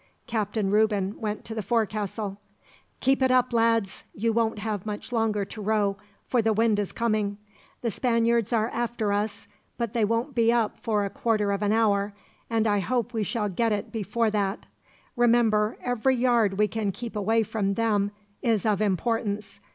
Captain Reuben went to the forecastle: "Keep it up, lads. You won't have much longer to row, for the wind is coming. The Spaniards are after us, but they won't be up for a quarter of an hour, and I hope we shall get it before that. Remember, every yard we can keep away from them is of importance.